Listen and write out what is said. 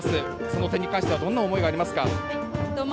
その点に関してはどんな思いがありますか？